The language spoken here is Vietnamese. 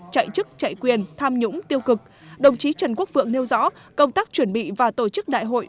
chạy chức chạy quyền tham nhũng tiêu cực đồng chí trần quốc phượng nêu rõ công tác chuẩn bị và tổ chức đại hội